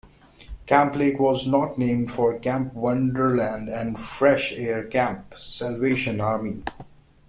Camp Lake was not named for Camp Wonderland and Fresh Air Camp, Salvation Army.